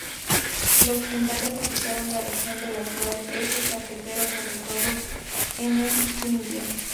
Los Quimbayas habitaron la región del actual Eje cafetero, sobre todo en el Quindío.